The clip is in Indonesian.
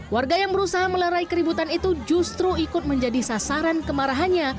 warga yang berusaha melerai keributan itu justru ikut menjadi sasaran kemarahannya